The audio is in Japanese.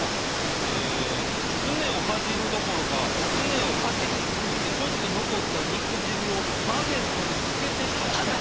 えすねをかじるどころかすねをかじりつくしてちょっと残った肉汁をバゲットにつけてかじる。